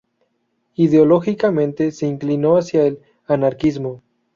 Ideológicamente, se inclinó hacia el anarquismo.